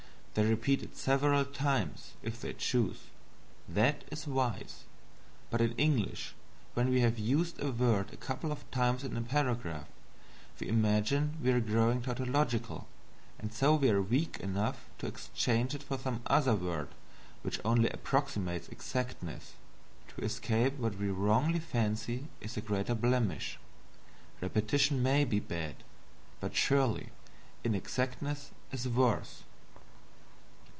They repeat it several times, if they choose. That is wise. But in English, when we have used a word a couple of times in a paragraph, we imagine we are growing tautological, and so we are weak enough to exchange it for some other word which only approximates exactness, to escape what we wrongly fancy is a greater blemish. Repetition may be bad, but surely inexactness is worse.